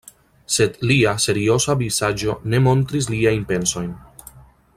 Sed lia serioza vizaĝo ne montris liajn pensojn.